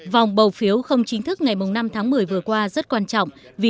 vòng bầu phiếu không chính thức ngày năm tháng một mươi vừa qua rất quan trọng